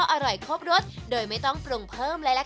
ความโดดเด็ดและไม่เหมือนใครค่ะ